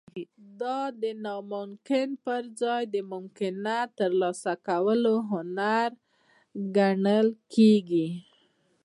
دا د ناممکن پرځای د ممکنه ترلاسه کولو هنر ګڼل کیږي